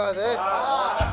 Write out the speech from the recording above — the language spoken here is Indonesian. kasian si abah